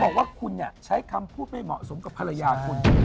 บอกว่าคุณใช้คำพูดไม่เหมาะสมกับภรรยาคุณ